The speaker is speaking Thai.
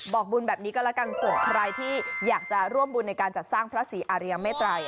บอกบุญแบบนี้ก็แล้วกันส่วนใครที่อยากจะร่วมบุญในการจัดสร้างพระศรีอาริยเมตรัย